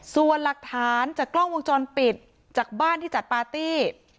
ส่วนหลักฐานจากกล้องวงจรปิดจากบ้านที่จัดปาร์ตี้